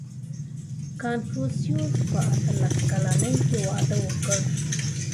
• کنفوسیوس په اتلس کلنۍ کې واده وکړ.